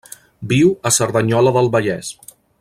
Viu a Cerdanyola del Vallès.